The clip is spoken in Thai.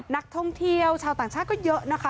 นักท่องเที่ยวชาวต่างชาติก็เยอะนะคะ